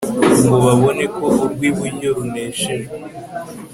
ngo babone ko urw'iburyo runeshejwe